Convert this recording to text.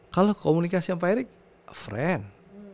kalau komunikasi sama pak erick friend